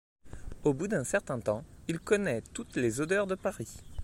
Au bout d'un certain temps, il connaît toutes les odeurs de Paris.